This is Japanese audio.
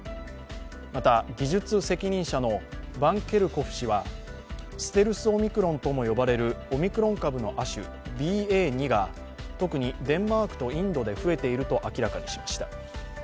また、技術責任者のバンケルコフ氏は、ステルスオミクロンとも呼ばれるオミクロン株の亜種、ＢＡ．２が特にデンマークとインドで増えていると明らかにしました。